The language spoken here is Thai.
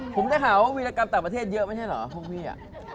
ผมได้หาว่าวิรกรรมต่างประเทศเยอะไม่ใช่เหรอพวกพี่